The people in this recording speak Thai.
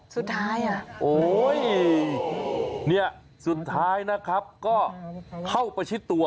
สุดท้ายอ่ะโอ้ยเนี่ยสุดท้ายนะครับก็เข้าประชิดตัว